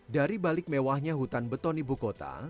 dari balik mewahnya hutan beton ibu kota